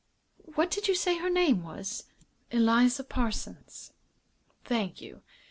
What did you say her name was?" "Eliza Parsons." "Thank you.